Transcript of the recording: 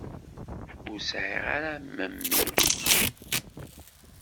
Ur sɛiɣ ara memmi.